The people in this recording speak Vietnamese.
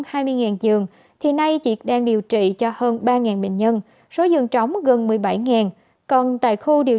giường thì nay chỉ đang điều trị cho hơn ba bệnh nhân số giường trống gần một mươi bảy còn tại khu điều